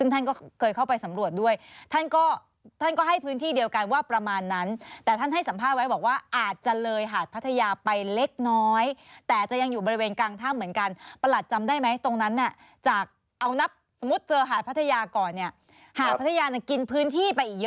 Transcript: หาดพัทยากินพื้นที่ไปเยอะไหมคะที่เป็นเนินน้ำท่วมไม่ถึง